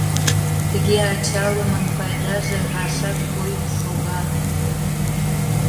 Тыге ачалымын пайдаже рашак койын шога.